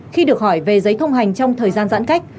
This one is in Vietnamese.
khi được hỏi về giấy thông hành trong thời gian giãn cách